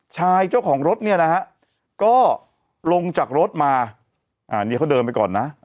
เจ้าของรถเนี่ยนะฮะก็ลงจากรถมาอันนี้เขาเดินไปก่อนนะ